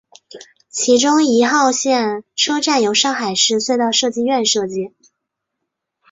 其中一号线车站由上海市隧道设计院设计。